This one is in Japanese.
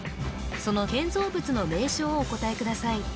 その建造物の名称をお答えください